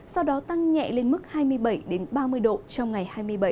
sau đó tăng nhẹ lên mức hai mươi bảy ba mươi độ trong ngày hai mươi bảy